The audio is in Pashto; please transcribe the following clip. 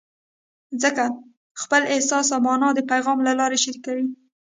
خلک خپل احساس او مانا د پیغام له لارې شریکوي.